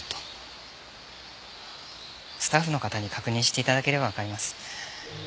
スタッフの方に確認して頂ければわかります。